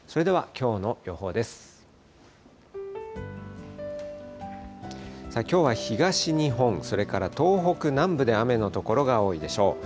きょうは東日本、それから東北南部で雨の所が多いでしょう。